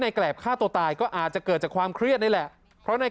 แกรบฆ่าตัวตายก็อาจจะเกิดจากความเครียดนี่แหละเพราะใน